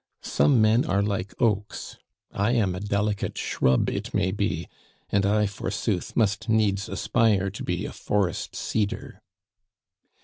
Some men are like oaks, I am a delicate shrub it may be, and I forsooth, must needs aspire to be a forest cedar.